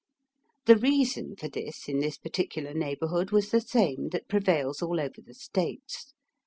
The reason for this in this particular neighbourhood was the same that prevails all over the States.